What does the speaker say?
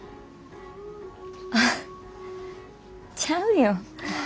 あっちゃうよ。